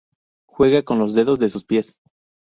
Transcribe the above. Juega con los dedos de sus pies.